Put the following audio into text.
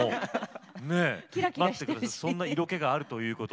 そんな色気があるということ。